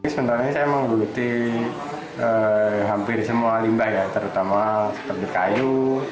sebenarnya saya menggeluti hampir semua limbah ya terutama seperti kayu